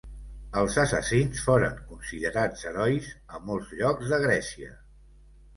Els assassins foren considerats herois a molts llocs de Grècia.